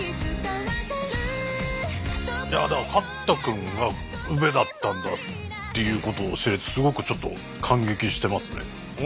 カッタ君が宇部だったんだっていうことを知れてすごくちょっと感激してますね。